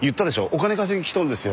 お金稼ぎに来とるんですよ。